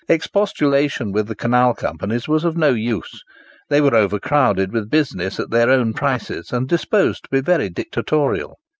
Expostulation with the Canal Companies was of no use. They were overcrowded with business at their own prices, and disposed to be very dictatorial.